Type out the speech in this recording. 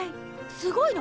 すごいの？